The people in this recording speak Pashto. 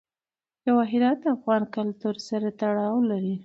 جواهرات د افغان کلتور سره تړاو لري.